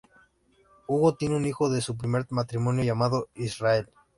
Hugo tiene un hijo de su primer matrimonio llamado Israel.